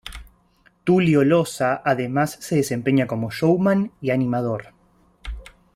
Tulio Loza además se desempeña como showman y animador.